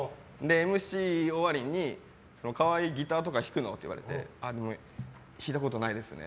ＭＣ終わりに、河合ギターとか弾くの？って言われて弾いたことないですね。